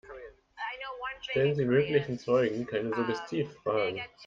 Stellen Sie möglichen Zeugen keine Suggestivfragen.